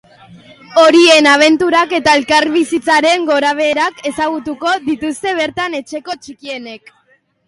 Horien abenturak eta elkarbizitzaren gorabeherak ezagutuko dituzte bertan etxeko txikienek.